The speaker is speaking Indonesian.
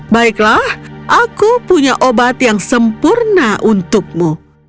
baiklah aku punya obat yang sempurna untukmu